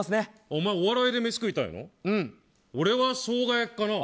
お前お笑いで飯食いたいの？